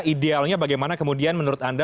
idealnya bagaimana kemudian menurut anda